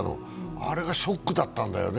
あれがショックだったんだよね。